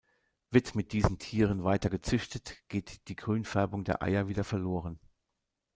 Wird mit diesen Tieren weiter gezüchtet, geht die Grünfärbung der Eier wieder verloren.